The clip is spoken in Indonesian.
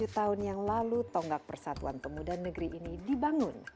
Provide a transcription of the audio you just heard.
tujuh tahun yang lalu tonggak persatuan pemuda negeri ini dibangun